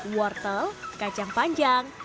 wortel kacang panjang